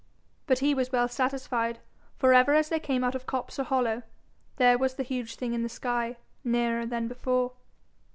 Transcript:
But he was well satisfied, for, ever as they came out of copse or hollow, there was the huge thing in the sky, nearer than before.